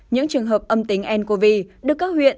những trường hợp âm tính ncov được các huyện